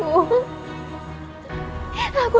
ibu nda yang mencari aku